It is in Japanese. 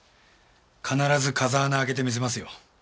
必ず風穴開けてみせますよ。